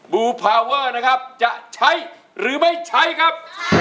ลูพาเวอร์นะครับจะใช้หรือไม่ใช้ครับ